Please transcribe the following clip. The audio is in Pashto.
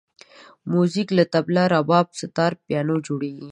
موزیک له طبل، رباب، ستار، پیانو جوړېږي.